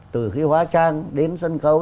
từ khi hóa trang đến sân khấu